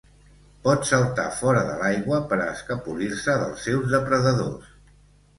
Pot saltar fora de l'aigua per a escapolir-se dels seus depredadors.